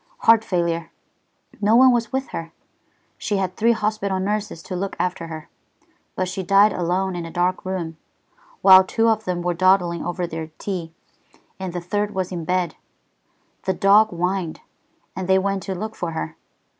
"Heart failure. No one was with her. She had three hospital nurses to look after her, but she died alone in a dark room, while two of them were dawdling over their tea, and the third was in bed. The dog whined, and they went to look for her.